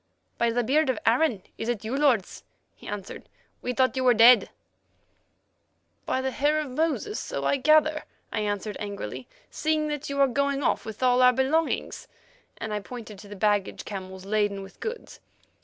"By the beard of Aaron! is it you, lords?" he asked. "We thought you were dead." "By the hair of Moses! so I gather," I answered angrily, "seeing that you are going off with all our belongings," and I pointed to the baggage camels laden with goods.